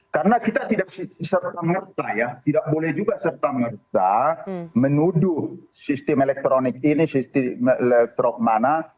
karena kita tidak serta merta ya tidak boleh juga serta merta menuduh sistem elektronik ini sistem elektronik mana